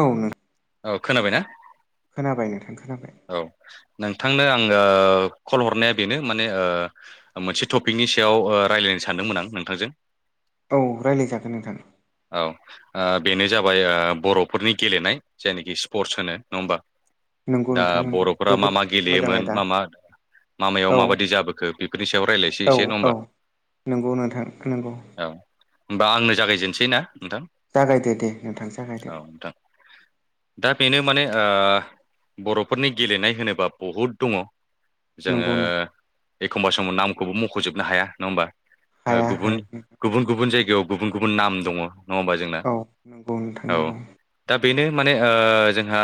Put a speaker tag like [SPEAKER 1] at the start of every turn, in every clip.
[SPEAKER 1] औ नों
[SPEAKER 2] औ खोनाबायना?
[SPEAKER 1] खोनाबाय नोंथां खोनाबाय।
[SPEAKER 2] औ नोंथांनो ओ आङो कल हरनाया बेनो माने ओ मोनसे टपिकनि नि सायाव ओ रायजलायनो सानदोंमोन आं नोंथांजों।
[SPEAKER 1] औ रायज्लायजागोन नोंथां।
[SPEAKER 2] औ ओ बेनो जाबाय ओ बर'फोरनि गेलेनाय जायनाखि स्पर्टस होनो नङा होमबा?
[SPEAKER 1] नंगौ
[SPEAKER 2] दा
[SPEAKER 1] नोंथां नंगौ
[SPEAKER 2] बर'फोरा मा
[SPEAKER 1] जोबोद
[SPEAKER 2] मा
[SPEAKER 1] मोजां
[SPEAKER 2] गेलेयोमोन
[SPEAKER 1] आयदा
[SPEAKER 2] मा मा मामायाव
[SPEAKER 1] औ
[SPEAKER 2] माबायदि जाबोखो बेफोरनि सायाव रायज्लायसै
[SPEAKER 1] औ
[SPEAKER 2] एसे नङा होमबा?
[SPEAKER 1] औौ नंगौ नोंथां नंगौ।
[SPEAKER 2] औ होमबा आंनो जागायजेनसै ना? नोंथां
[SPEAKER 1] जागायदो दे नोंथां
[SPEAKER 2] औ
[SPEAKER 1] जागायदो।
[SPEAKER 2] नोंथां दा बेनो माने ओ बर'फोरनि गेलेनाय होनोब्ला बहुद दङ। जोङो
[SPEAKER 1] नंगौ नों
[SPEAKER 2] एखमबा समाव नामखौबो मख'जोबनो हाया नङा होमबा? ओ
[SPEAKER 1] हाया
[SPEAKER 2] गुबुन
[SPEAKER 1] हाया
[SPEAKER 2] गुबुन गुबुन जायगायाव गुबुन गुबुन नाम दङ। नङा होमबा जोंना
[SPEAKER 1] औ नंगौ नोंथां
[SPEAKER 2] औ
[SPEAKER 1] नंगौ
[SPEAKER 2] दा बेनो माने ओ जोंहा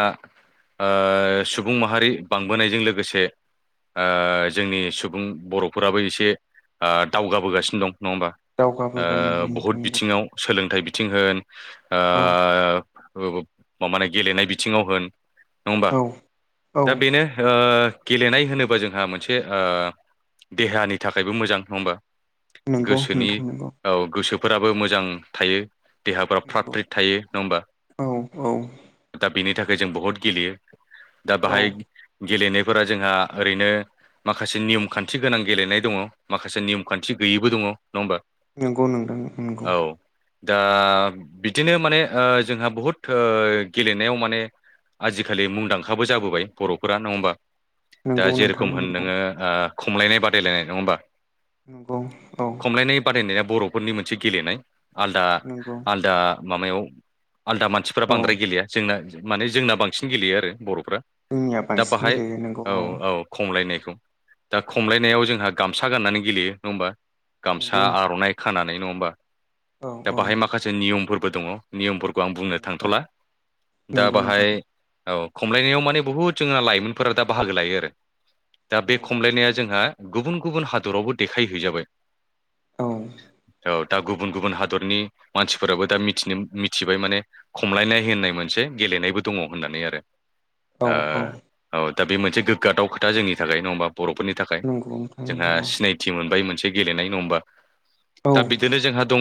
[SPEAKER 2] ओ सुबुं माहारि बांबोनायजों लोगोसे जोंनि सुबुं बर'फोराबो एसे ओ दावगाबोगासिनो दं। नङा होमबा ओ
[SPEAKER 1] दावगाबोबाय नंगौ नोंथां
[SPEAKER 2] बहुद
[SPEAKER 1] नंगौ
[SPEAKER 2] बिथिङाव सोलों सथाइ बिथिं होन
[SPEAKER 1] औ
[SPEAKER 2] ओ माने गेलेनाय बिथिङाव होन नङबा
[SPEAKER 1] औ औ
[SPEAKER 2] दा बेनो ओ गेलेनाय होनोबा जोंहा मोनसे ओ देहानि थाखायबो मोजां नङा होमबा?
[SPEAKER 1] नंगौ
[SPEAKER 2] गोसोनि
[SPEAKER 1] नोंथां नंगौ
[SPEAKER 2] औ गोसोफोराबो मोजां थायो। देहाफोरा फ्रात
[SPEAKER 1] नंगौ
[SPEAKER 2] फ्रिट थायो नङा होमबा
[SPEAKER 1] औ औ
[SPEAKER 2] दा बेनि थाखाय जों बहुद गेलेयो। दा
[SPEAKER 1] औ
[SPEAKER 2] बाहाय गेलेनायफोरा जोंहा ओरैनो माखासे नियम खान्थि गोनां गेलेनाय दङ माखासे नियम खान्थि गैयैबो दङ नङा होमबा?
[SPEAKER 1] नंगौ नोंथां नंगौ
[SPEAKER 2] औ दा बिदिनो माने जोंहा बहुद गेलेनायाव माने आजिखालि आ खालि मुंदांखाबो जाबोबाय बर'फोरा नङा होमबा दा
[SPEAKER 1] नंगौ नोंथां
[SPEAKER 2] जेरेखम होन
[SPEAKER 1] नंगौ
[SPEAKER 2] नोङो दा खमलायनाय बादायलायनाय नङा होमबा?
[SPEAKER 1] नंगौ औ
[SPEAKER 2] खमलायनाय बादायनाया बर'फोरनि मोनसे गेलेनाय आलदा
[SPEAKER 1] नंगौ
[SPEAKER 2] आलदा माबायाव आलदा मानसिफोरा्रा
[SPEAKER 1] औ
[SPEAKER 2] बांद्राय गेलेया जोंना माने जोंना बांसिन गेलेयो आरो बर'
[SPEAKER 1] जोंनिया
[SPEAKER 2] दा
[SPEAKER 1] बांसिन
[SPEAKER 2] बाहाय
[SPEAKER 1] गेलेयो नंगौ
[SPEAKER 2] औ औ खमलायनायखौ। दा खमलायनायाव जोंहा गामसा गाननानै गेलेयो नङा होमबा?
[SPEAKER 1] नंगौ
[SPEAKER 2] गामसा आर'नाइ खानानै नङा होमबा
[SPEAKER 1] औ
[SPEAKER 2] दा
[SPEAKER 1] औ
[SPEAKER 2] बाहाय माखासे नियमफोरबो दङ। नियमफोरखौ आं
[SPEAKER 1] दङ
[SPEAKER 2] बुंनो
[SPEAKER 1] दं
[SPEAKER 2] थांथ'ला दा
[SPEAKER 1] नंगौ नोंथां
[SPEAKER 2] बाहाय औ खमलायनायाव माने बुहुद जोंना लाइमोनफोरा दा बाहागो लायो आरो दा बे
[SPEAKER 1] लायो
[SPEAKER 2] खमलायनाया जोंहा गुबुन गुबुन हादरावबो देखायहैजाबाय
[SPEAKER 1] औ
[SPEAKER 2] औ दा गुबुन गुबुन हादरनि मानसिफोराबो दानो मिथिबाय माने खमलायनाय होननाय मोनसे गेले गेलेनायबो दङ होननानै आरो।
[SPEAKER 1] औ औ
[SPEAKER 2] औ दा बे मोनसे गोग्गाथाव खोथा जोंनि थाखाय नङा हबा बर'फोरनि थाखाय
[SPEAKER 1] नंगौ नोंथां
[SPEAKER 2] जोंहा
[SPEAKER 1] नंगौ
[SPEAKER 2] सिनायथि मोनबायमोन। मोनसे गेलेनाय नङ होनबा
[SPEAKER 1] औ
[SPEAKER 2] दा बिदिनो जोंहा दङ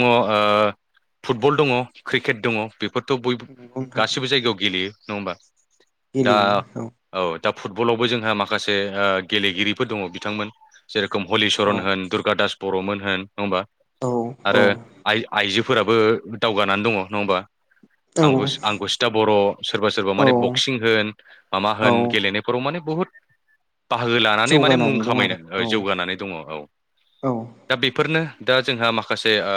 [SPEAKER 2] फुटबल दङ क्रिकेट दङ बेफोरथ' बय
[SPEAKER 1] नंगौ नोंथां
[SPEAKER 2] गासिबो जायगायाव गेलेयो। नङा होनबा?
[SPEAKER 1] गेलेयो औ
[SPEAKER 2] दा फुटबलावबो जोंहा माखासे ओ गेलेगिरिफोर दङ बिथांमोन जेर
[SPEAKER 1] औ
[SPEAKER 2] हलिसरन होन दुर्गा दास बर' होन
[SPEAKER 1] औ औ
[SPEAKER 2] आरो आइ आइजो फोराबो दावगानानै दङ नङा होमबा
[SPEAKER 1] औ
[SPEAKER 2] आं आंगुसिथा बर'। सोरबा सोरबा
[SPEAKER 1] औ
[SPEAKER 2] माने बक्सिं होन माबा
[SPEAKER 1] औ
[SPEAKER 2] होन गेलेनायफोराव माने बहुद बाहागो लानानै माने मुं
[SPEAKER 1] जौगानानै दं आरो
[SPEAKER 2] खामायनानै औ जौगानानै दङ औ
[SPEAKER 1] औ
[SPEAKER 2] दा बेफोरनो। दा जोंहा माखासे ओ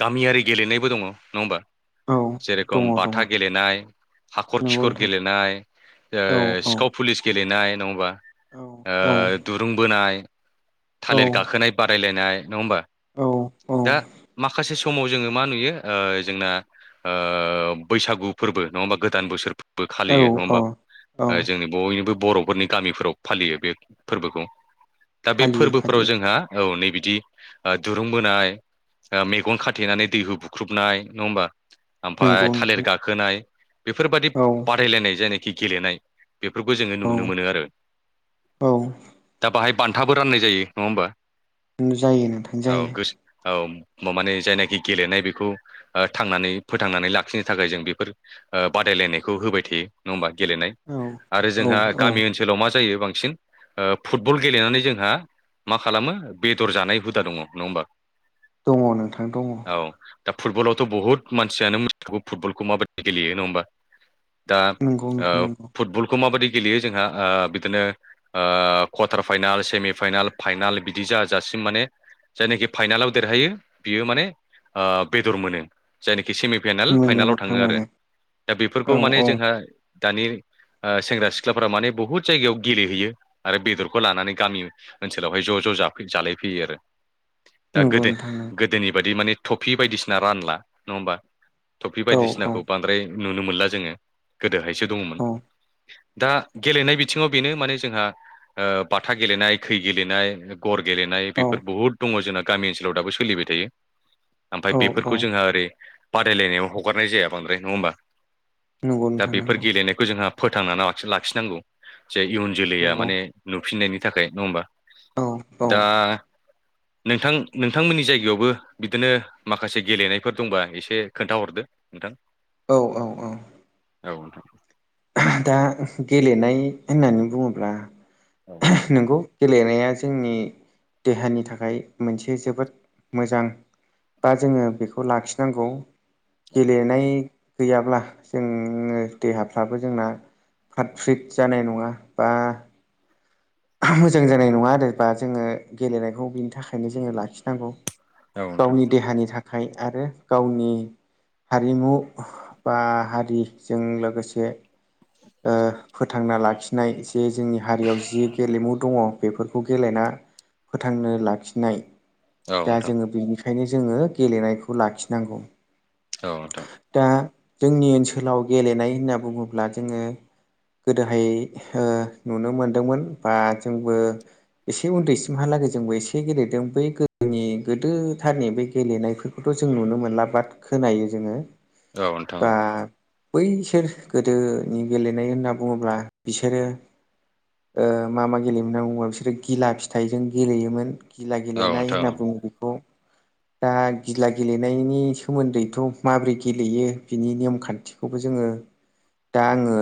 [SPEAKER 2] गामियारि गेलेनायबो दङ नङा होमबा?
[SPEAKER 1] औ दङ
[SPEAKER 2] जेरखम बाथ
[SPEAKER 1] दङ
[SPEAKER 2] फथा गेलेनाय हाखर
[SPEAKER 1] नंगौ
[SPEAKER 2] खिखर
[SPEAKER 1] नोंथां
[SPEAKER 2] गेलेनाय
[SPEAKER 1] औ
[SPEAKER 2] ओ
[SPEAKER 1] औ
[SPEAKER 2] सिखाव पुलिस गेलेनाय। ओ नङा होमबा
[SPEAKER 1] औ औ
[SPEAKER 2] दुरुं बोनाय थालिर गाखोनाय बादायलायनाय। नङ होमबा
[SPEAKER 1] औ औ
[SPEAKER 2] दा माखासे समाव जोङो मा नुयो ओ जोंना ओ बैसागु फोरबो नङा गोदान बोसोरबो
[SPEAKER 1] औ
[SPEAKER 2] फालियो नङा
[SPEAKER 1] औ
[SPEAKER 2] होनबा?
[SPEAKER 1] औ
[SPEAKER 2] जोंनि बयनिबो बर'फोरनि गामिफोराव फालियो बे फोरबोखौ। दा बे
[SPEAKER 1] फालियो
[SPEAKER 2] फोरबोफोराव
[SPEAKER 1] फालियो
[SPEAKER 2] जोंहा औ नैबे बिदि ओ दुरुं बोनाय ओ मेगन खाथेनानै दैखौ बुख्रुबनाय नङा होमबा?
[SPEAKER 1] नंगौ
[SPEAKER 2] ओमफफ्राय थालिर
[SPEAKER 1] नोंथां
[SPEAKER 2] गाखोनाय बेफोरबायाददि
[SPEAKER 1] औ
[SPEAKER 2] बादायलायनाय जायनाखि गेलेनाय बेफोरखौ जोङो
[SPEAKER 1] औ
[SPEAKER 2] नुनो मोनो आरो
[SPEAKER 1] औ
[SPEAKER 2] दा बाहाय बान्थाबो राननाय जायो नङा होमबा?
[SPEAKER 1] जायो नोंथां
[SPEAKER 2] औ
[SPEAKER 1] जायो
[SPEAKER 2] गोसो औ माने जायनाखि गेलेनाय बेखौ ओ थांनानै फोथांनानै लाखिनो नि थाखाय जों बेफोर ओ बादायलायनायखौ होबाय थायो नङा होमबा गेलेनाय
[SPEAKER 1] औ
[SPEAKER 2] आरो
[SPEAKER 1] औ
[SPEAKER 2] जोंहा
[SPEAKER 1] औ
[SPEAKER 2] गामि ओनसोलाव मा जायो बांसिन ओ फुटबल गेलेनानै जोंहा मा खालामो बेदर जानाय हुदा दङ नङा होमबा?
[SPEAKER 1] अ नोंथां दङ।
[SPEAKER 2] औ दा फुटबलावथ' बहुत मानसियानो मोथिखागौ फुटबलखौ माबायदि गेलेयो नङा होमबा दा
[SPEAKER 1] नंगौ नोंथां
[SPEAKER 2] ओ
[SPEAKER 1] नंगौ
[SPEAKER 2] फुटबलखौ माबायदि गेलेयो जोंहा ओ बिदिनो ओ कवारटार फाइनाल सेमि फाइनाल फाइनाल बिदि जा जासे माने जायनाखि फाइनालाव देरहायो बियो माने ओ बेदर मोनो जायनाखि सेमि फाइनाल
[SPEAKER 1] मोनो
[SPEAKER 2] फाइनालाव
[SPEAKER 1] नोंथां
[SPEAKER 2] थाङो आरो
[SPEAKER 1] मोनो
[SPEAKER 2] दा
[SPEAKER 1] औ
[SPEAKER 2] बेफोरखौ माने
[SPEAKER 1] औ
[SPEAKER 2] जोंहा दानि ओ सेंग्रा सिख्लाफोरा माने बुहुत जायगायाव गेलेहैयो आरो बेदरखौ लानानै गामि ओनसोलावहाय ज' ज' ज' जाफै जालाय फैयो आरो। दा
[SPEAKER 1] नंगौ
[SPEAKER 2] गोदो
[SPEAKER 1] नोंथां नंगौ
[SPEAKER 2] गोदोनि बायि माने टफि बायदिसिना रानला नङा होमबा? थटफि
[SPEAKER 1] औ औ
[SPEAKER 2] बायदिसिनाखौ बांद्राय नुनो मोनला जोङो गोदोहायसो दङमोन। दा गेलेनाय बिथिङाव बेनो माने जोंहा ओ बाथा गेलेनाय खै गेलेनाय गर गेलेनाय। दायो बेफोर
[SPEAKER 1] औ
[SPEAKER 2] बहुत दङ जोंना गामि ओनसोलाव दाबो सोलिबाय थायो। आमफाय
[SPEAKER 1] औ औ
[SPEAKER 2] बेफोरखौ जोंहा ओरै बादायलायनायाव हगारनाय जाया बांद्राय। नङा होमबा?
[SPEAKER 1] नंगौ
[SPEAKER 2] दा
[SPEAKER 1] नोंथां
[SPEAKER 2] बेफोर
[SPEAKER 1] नंगौ
[SPEAKER 2] गेलेनायखौ जोंहा फोथांनाना लाखिनांगौ। जे इयुन जोलैया
[SPEAKER 1] नंगौ
[SPEAKER 2] माने नुफिननायनि थाखाय। नङा होमबा?
[SPEAKER 1] औ
[SPEAKER 2] दा नोंथां नोंथांमोननि जायगायावबो बिदिनो माखासे गेलेनायफोर दंबा एसे खोन्था हरदो नोंथां।
[SPEAKER 1] औ औ औ।
[SPEAKER 2] औ नोंथां।
[SPEAKER 1] दा गेलेनाय होननानै बुङोब्ला
[SPEAKER 2] औ
[SPEAKER 1] नोंगौ गेलेनाया जोंनि देहानि थाखाय मोनसे जोबोद मोजां बा जोङो बेखौ लाखिनांगौ। गेलेनाय गैयाब्ला जोङो देहाफ्राबो जोंना फ्राद फ्रिद जानाय नङा बा मोजां जानाय नङा आरो बा जोङो गेलेनायखौ बिनि थाखायनो जोङो लाखिनांगौ।
[SPEAKER 2] औ नोंथां
[SPEAKER 1] गावनि देहानि थाखाय आरो गावनि हारिमु बा हारिजों लोगोसे ओ फोथांना लाखिनाय जे जोंनि हारियाव जि गेलेमु दङ बेफोरखौ गेलेना फोथांनो लाखिनाय
[SPEAKER 2] औ
[SPEAKER 1] जा
[SPEAKER 2] नोंथां
[SPEAKER 1] जोङो बेनिखायनो जोङो गेलेनायखौ लाखिनांगौ।
[SPEAKER 2] औ नोंथां।
[SPEAKER 1] दा जोंनि ओनसोलाव गेलेनाय होनना बुङोब्ला जोङो गोदोहाय ओ नुनो मोनदोंमोन बा जोंबो एसे उन्दै सिमहालागै जोंबो एसे गेलेदों। बै गोदोनि नि गोदोथारनि बे गेलेनायफोरखौथ' जों नुनो मोनला बाद खोनायो जोङो।
[SPEAKER 2] औ नोंथां
[SPEAKER 1] बा
[SPEAKER 2] औ।
[SPEAKER 1] बैसोर गोदोनि गेलेनाय होनना बुङोब्ला बिसोरो ओ मा मा गेलेयोमोन होनना बुङोबा बिसोरो गिला फिथाइजों गेलेयोमोन। गिला
[SPEAKER 2] औ
[SPEAKER 1] गेलेनाय
[SPEAKER 2] नोंथां
[SPEAKER 1] होनना बुङो बेखौ।
[SPEAKER 2] [inaudible]
[SPEAKER 1] दा गिला गेलेनायनि सोमोन्दैथ' माब्रै गेलेयो बिनि नेमखान्थिखौबो जोङो
[SPEAKER 2] [inaudible]
[SPEAKER 1] दा आङो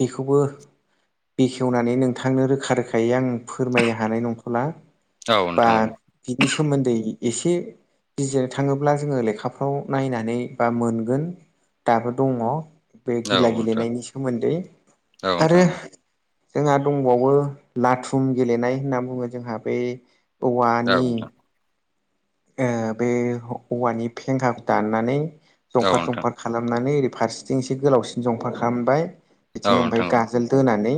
[SPEAKER 1] बेखौबो बेखेवनानै नोंथांनो रोखा रोखायै आं फोरमायनो हानाय नंथ'ला
[SPEAKER 2] औ
[SPEAKER 1] बा
[SPEAKER 2] नोंथां
[SPEAKER 1] बिनि सोमोन्दै एसे बिजिर थाङोब्ला जोङो लेखाफ्राव नायनानै बा मोनगोन। दाबो दङ बे
[SPEAKER 2] औ
[SPEAKER 1] गिला
[SPEAKER 2] नोंथां
[SPEAKER 1] गेलेनायनि सोमोन्दै
[SPEAKER 2] औ
[SPEAKER 1] आरो
[SPEAKER 2] नोंथां
[SPEAKER 1] जोंहा दंबावो लाथुम गेलेनाय होनना बुङो जोंहा बै
[SPEAKER 2] औ औ
[SPEAKER 1] औनि
[SPEAKER 2] नोंथां
[SPEAKER 1] ओ बे औवानि फेंखा दाननानै
[SPEAKER 2] औ नोंथां
[SPEAKER 1] जंफार जंफार खालामनानै ओरै फारसेथिं एसे गोलावसिन जंफार खामबाय
[SPEAKER 2] औ
[SPEAKER 1] बिथिं ओमफाय
[SPEAKER 2] नोंथां
[SPEAKER 1] गाजोल दोनानै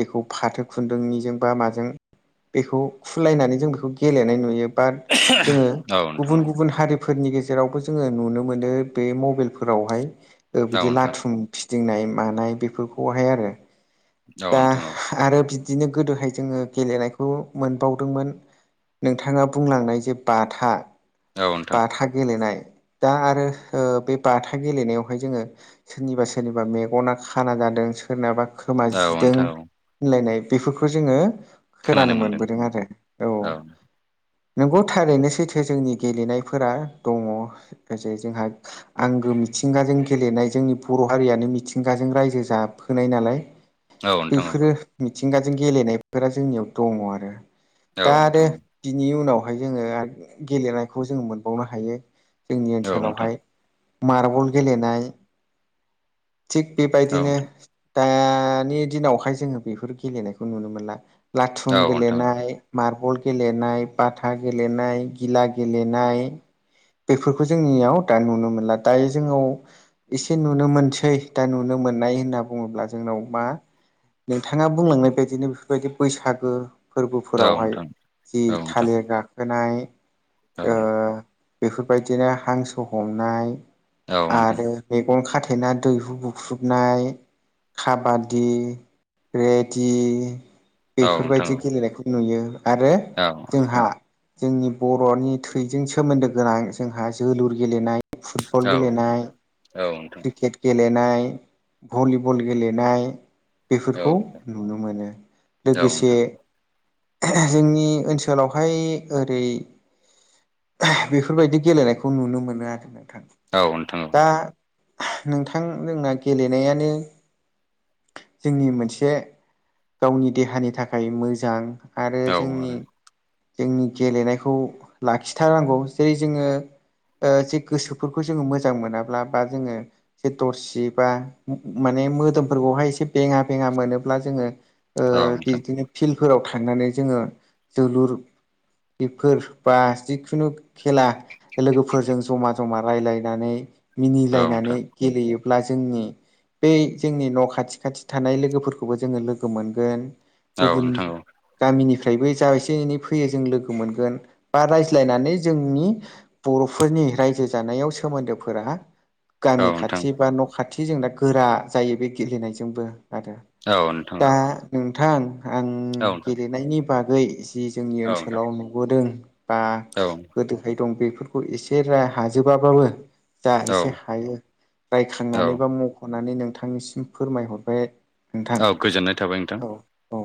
[SPEAKER 1] बेखौ फाथो खुन्दुंनिजों बा माजों बेखौ खुलायनानै जों बेखौ गेलेनाय नुयो बा जोङो
[SPEAKER 2] औ नोंथां
[SPEAKER 1] गुबुन गुबुन हारि फोरनि गेजेरावबो जोङो नुनो मोनो बे मबेल फोरावहाय ओ
[SPEAKER 2] औ
[SPEAKER 1] बिदि
[SPEAKER 2] नोंथां
[SPEAKER 1] लाथुम फि दिंनाय मानाय बेफोरखौहाय आरो।
[SPEAKER 2] औ नोंथां औ।
[SPEAKER 1] दिनो गोदोहाय जोङो गेलेनायखौ मोनबावदोंमोन नोंथाङा बुंलांनाय जे बाथा
[SPEAKER 2] औ औ नोंथां
[SPEAKER 1] बाथा गेलेनाय। दा आरो ओ बे बाथा गेलेनायावहाय जोङो सोरनिबा सोरनिबा मेगना खाना जा दों सोरनाबा खोमा
[SPEAKER 2] औ
[SPEAKER 1] जिदों
[SPEAKER 2] नोंथां औ
[SPEAKER 1] होनलायनाय बेफोरखौ जोङो खोनानो मोनबोदों आरो। औ नोंगौ थारैनो सैथो जोंनि गेलेनायफोरा दङ ज जोंहा आंगो मिथिंगा जों गेलेनाय जोंनि बर' हारियानो मिथिंगाजों रायजो जफोनाय नालाय।
[SPEAKER 2] औ नोंथां औ
[SPEAKER 1] बैफोरो मिथिंगाजों गेलेनायफोरा जोंनियाव दङ आरो।
[SPEAKER 2] औ नोंथां
[SPEAKER 1] दा
[SPEAKER 2] औ
[SPEAKER 1] आरो
[SPEAKER 2] नोंथां
[SPEAKER 1] बिनि उनावहाय जोङो आरो गेलेनायखौ जों मोनबावनो हायो। जोंनि
[SPEAKER 2] औ नोंथां औ नोंथां
[SPEAKER 1] ओनसोलावहाय मार्बल गेलेनाय। थिग
[SPEAKER 2] औ
[SPEAKER 1] बेबायदिनो दानि दिनावहाय जोङो बेफोर गेलेनायखौ नुनो मोनला। लाथुम
[SPEAKER 2] नोंथां
[SPEAKER 1] गेलेनाय मार्बल गेलेनाय बाथ हा गेलेनाय गिला गेलेनाय। बेफोरखौ जोंनियाव दा नुनो मोनला दायो जोंनाव एसे नुनो मोनसै दा नुनो मोन मोननाय होनना बुङोब्ला जोंनाव मा? नोंथाङा बुंलांनाय बायदिनो बेफोरबायदि बैसागो
[SPEAKER 2] औ नोंथां औ
[SPEAKER 1] फोरबोफोरावहाय जि थालिर गाखोनाय
[SPEAKER 2] औ
[SPEAKER 1] ओ बेफोरबायदिनो हांसो हमनाय
[SPEAKER 2] औ नोंथां औ नोंथां
[SPEAKER 1] आरो मैगं खाथेना दैहु बुख्रु गुरनाय खाबादि रेडि
[SPEAKER 2] औ नोंथां औ नोंथां औ
[SPEAKER 1] बेफोरबायदि गेलेनायखौ नुयो आरो
[SPEAKER 2] औ
[SPEAKER 1] जोंहा जोंनि बर'नि थैजों सोमोन्दो गोनां जोंहा जोलुर गेलेनाय। फुटबल गेलेनाय क्रिकेट गेलेनाय गेलेनाय भलिबल गेलेनाय। बेफोरखौ नुनो मोनो लोगोसे जोंनि ओनसोलावहाय ओरै बेफोरबायदि गेलेनायखौ नुनो मोनो आरो। नोंथां
[SPEAKER 2] औ नोंथां औ
[SPEAKER 1] दा नोंथां जोंना गेलेनायानो जोंनि मोनसे गावनि देहानि थाखाय मोजां। आरो जोंनि जोंनि गेलेनायखौ लाखिथारनांगौ जेरै जोङो ओ जे गोसोफोरखौ जोङो मोजां मोनाब्ला बा जोङो जे दरसि बा माने मे मोदोमफोरखौहाय एसे बेङा बेङा मोनोब्ला जोङो ओ
[SPEAKER 2] आरो औ नोंथां
[SPEAKER 1] बिदिनो फिल्डफोराव थांनानै जोङो जोलुर
[SPEAKER 2] [inaudible]
[SPEAKER 1] बेफोर बा जिखुनु खेला लोगोफोरजों जमा जमा राय्लायनानै
[SPEAKER 2] औ
[SPEAKER 1] मिनिलायनानै
[SPEAKER 2] नोंथां
[SPEAKER 1] गेलेयो अब्ला जोंनि बै जोंनि न' खाथि खाथि थानाय लोगोफोरखौबो जोङो लोगो मोनगोन ‌।
[SPEAKER 2] औ
[SPEAKER 1] गुबुन
[SPEAKER 2] नोंथां
[SPEAKER 1] गामिनिफ्रायबो जा एसे एनै फै फैयो जों लोगो मोनगोन बा रायज्लायनानै जोंनि बर'फोरनि रायजो जानायाव सोम सोमोन्दोफोरा गामि
[SPEAKER 2] औ नोंथां
[SPEAKER 1] खाथि बा न' खाथि जोंना गोरा जायो बे गेलेनायजोंबो। आरो
[SPEAKER 2] औ नोंथां
[SPEAKER 1] दा नोंथां आं
[SPEAKER 2] औ नोंथां
[SPEAKER 1] गेलेनायनि बागै जि जोंनि
[SPEAKER 2] औ नोंथां
[SPEAKER 1] ओनसोलाव नुबोदों बा
[SPEAKER 2] औ
[SPEAKER 1] गोदोहाय दं बे बेफोरखौ एसे र हाजोबाबाबो जा
[SPEAKER 2] औ
[SPEAKER 1] एसे हायो रायखांनानैबा
[SPEAKER 2] औ
[SPEAKER 1] मख' होननानै नोंथांनिसिम फोरमायहरबाय आरो।
[SPEAKER 2] औ गोजोननाय थाबाय नोंथां।
[SPEAKER 1] औ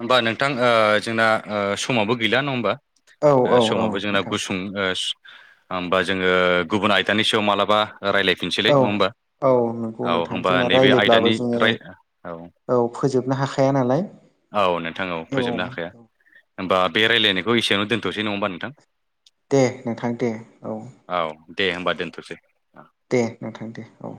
[SPEAKER 2] होनबा नोंथां ओ जोंना ओ समावबो गैला नङा होमबा?
[SPEAKER 1] औ
[SPEAKER 2] ओ
[SPEAKER 1] औ औ
[SPEAKER 2] समावबो जोंना
[SPEAKER 1] नोंथां
[SPEAKER 2] गुसुं होमबा जोङो गुबुन आयदानि सायाव मा्लाबा ओ रायज्लायफिनसैलै
[SPEAKER 1] औ
[SPEAKER 2] नङा होमबा?
[SPEAKER 1] औ नंगौ
[SPEAKER 2] औ
[SPEAKER 1] नोंथां
[SPEAKER 2] होमबा
[SPEAKER 1] जोंना
[SPEAKER 2] नैबे
[SPEAKER 1] रायज्लायब्लाबो
[SPEAKER 2] आयदानि
[SPEAKER 1] जोङो
[SPEAKER 2] राय
[SPEAKER 1] औ फोजोबनो हाखाया नालाय।
[SPEAKER 2] औ नोंथां औ फोजोबनो हाखाया होनोमबा बे रायज्लायनायखौ एसेयावनो दोनथ'सै नङा होनबा नोंथां?
[SPEAKER 1] दे नोंथां दे औ।
[SPEAKER 2] औ दे होमबा दोनथ'सै।
[SPEAKER 1] दे नोंथां दे औ।